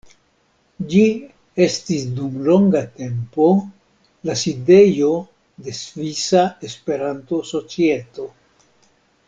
Ĝi estis dum longa tempo la sidejo de Svisa Esperanto-Societo.